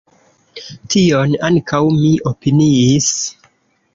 Tion ankaŭ mi opiniis.